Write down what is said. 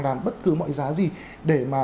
làm bất cứ mọi giá gì để mà